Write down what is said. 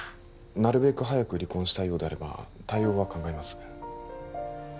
なるべく早く離婚したいようであれば対応は考えます